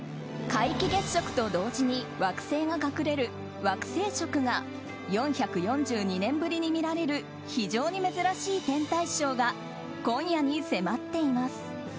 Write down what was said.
皆既月食と同時に惑星が隠れる惑星食が４４２年ぶりに見られる非常に珍しい天体ショーが今夜に迫っています。